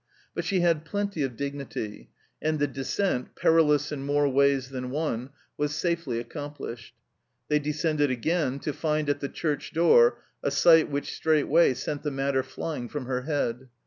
But she had plenty of dignity, and the descent, perilous in more ways than one, was safely accomplished. They descended again, to find at the church door a sight which straightway sent the matter flying from her head.